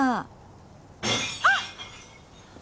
あっ。